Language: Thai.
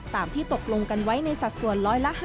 ตามที่ตกลงกันไว้ในสัดส่วน๑๕